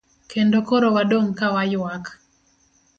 Kendo koro wadong' kawaywak.